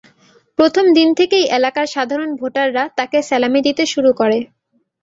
প্রথম দিন থেকেই এলাকার সাধারণ ভোটাররা তাঁকে সেলামি দিতে শুরু করে।